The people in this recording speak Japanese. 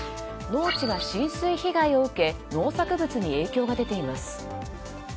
農地が浸水被害を受け農作物に影響が出ています。